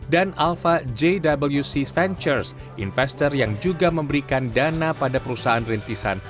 dan alpha jwc ventures investor yang juga memberikan dana pada perusahaan rintisan